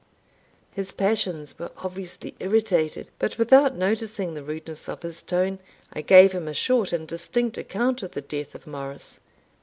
His passions were obviously irritated; but without noticing the rudeness of his tone, I gave him a short and distinct account of the death of Morris.